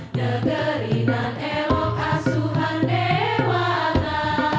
negeri nan elok asuhan dewata